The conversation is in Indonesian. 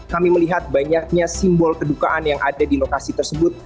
kami melihat banyaknya simbol kedukaan yang ada di lokasi tersebut